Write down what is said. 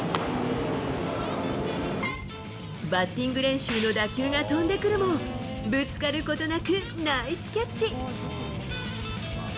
バッティング練習の打球が飛んでくるも、ぶつかることなくナイスキャッチ。